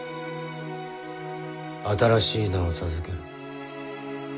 新しい名を授ける。